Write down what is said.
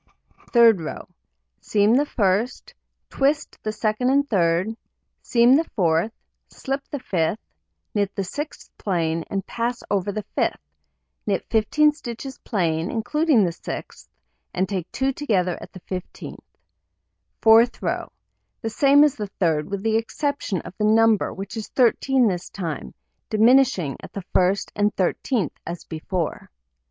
Third row: Seam the 1st, twist the 2d and 3d, seam the 4th, slip the 5th, knit the 6th plain, and pass over the 5th; knit 15 stitches plain, including the 6th, and take 2 together at the 15th. Fourth row: The same as the 3d, with the exception of the number, which is 13 this time, diminishing at the first and thirteenth as before.